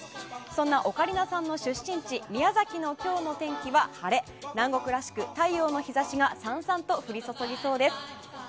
そんなオカリナさんの出身地宮崎の今日の天気は晴れ南国らしく太陽の光がさんさんと降り注ぎそうです。